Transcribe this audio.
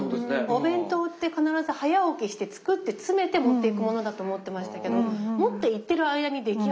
お弁当って必ず早起きして作って詰めて持っていくものだと思ってましたけど持っていってる間に出来上がるって。